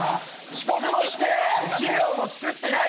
遅刻もして資料も作ってない？